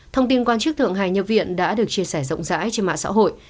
thông tin quan chức thượng hải nhập viện đã được chia sẻ rộng rãi trên mạng xã hội